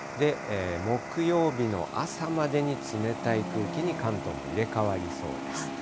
木曜日の朝までに冷たい空気に関東も入れ代わりそうです。